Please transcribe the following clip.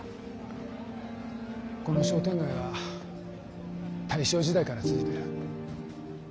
この商店街は大正時代から続いてる。